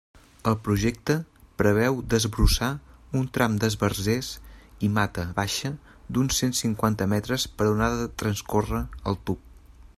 El Projecte preveu desbrossar un tram d'esbarzers i mata baixa d'uns cent cinquanta metres per on ha de transcórrer el tub.